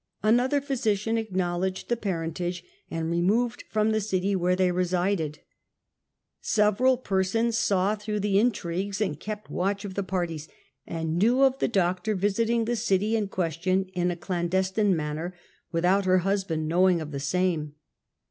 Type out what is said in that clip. Another physician acknowledged the parentage and removed from the city where they resided. Several persons saw through the intrigues and kept watch of the parties, and knew of the doctor visiting the eity in question in a clandestine manner, without her husband knowing of the .same.